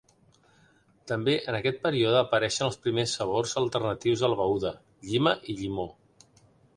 També en aquest període apareixen els primers sabors alternatius de la beguda, llima i llimó.